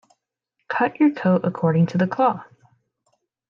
Cut your coat according to the cloth.